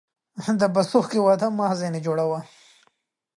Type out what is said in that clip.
د بسوگى واده مه ځيني جوړوه.